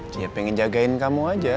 ya pengen jagain kamu aja